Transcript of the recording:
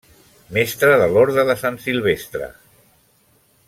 Mestre de l'Orde de Sant Silvestre.